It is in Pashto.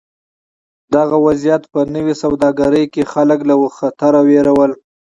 دغه وضعیت په نوې سوداګرۍ کې خلک له خطره وېرول.